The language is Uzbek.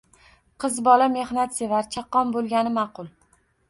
Qiz bola mehnatsevar, chaqqon bo‘lgani ma’qul.